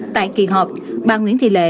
tại kỳ họp bà nguyễn thị lệ